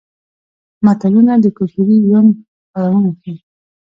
متلونه د کولتوري یون پړاوونه ښيي